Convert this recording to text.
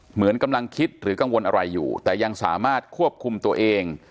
เหมือนกำลังคิดหรือกังวลอะไรอยู่แต่ยังสามารถควบคุมตัวเอง